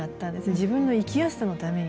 自分の生きやすさのために。